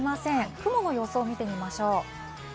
雲の予想を見てみましょう。